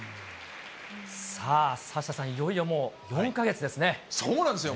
さあ、サッシャさん、いよいよもそうなんですよ。